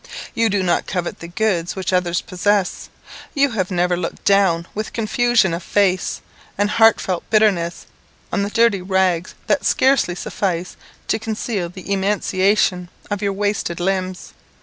You do not covet the goods which others possess. You have never looked down, with confusion of face and heartfelt bitterness, on the dirty rags that scarcely suffice to conceal the emaciation of your wasted limbs.